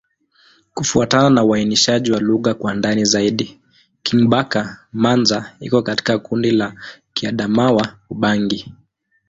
Kufuatana na uainishaji wa lugha kwa ndani zaidi, Kingbaka-Manza iko katika kundi la Kiadamawa-Ubangi.